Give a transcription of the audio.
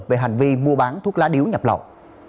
về hành vi mua bán thuốc lá điếu nhập lậu